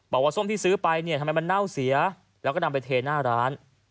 ส้มที่ซื้อไปเนี่ยทำไมมันเน่าเสียแล้วก็นำไปเทหน้าร้าน